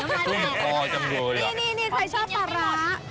นี่ใครชอบปลาร้า